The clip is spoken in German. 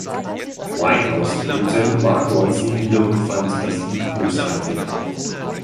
Winehouse-Produzent Mark Ronson wiederum fand das Lied „großartig“.